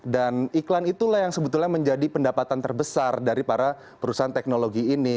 dan iklan itulah yang sebetulnya menjadi pendapatan terbesar dari para perusahaan teknologi ini